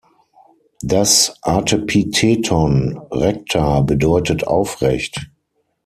Das Artepitheton "recta" bedeutet aufrecht.